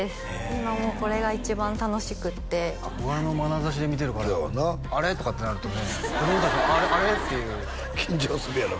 今これが一番楽しくて憧れのまなざしで見てるからあれっ？とかってなるとね子供達もあれっ？っていう緊張するやろ？